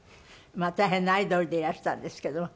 まあ大変なアイドルでいらしたんですけども。